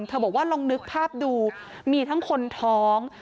บอกว่าลองนึกภาพดูมีทั้งคนท้อง